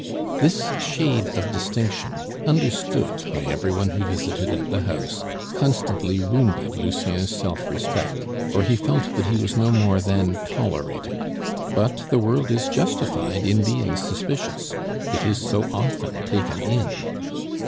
This shade of distinction, understood by every one who visited at the house, constantly wounded Lucien's self respect, for he felt that he was no more than tolerated. But the world is justified in being suspicious; it is so often taken in!